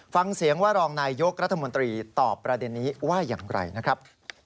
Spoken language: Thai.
ฟังเสียงว่ารองนายยกรัฐมนตรีตอบประเด็นนี้ว่าอย่างไรนะครับ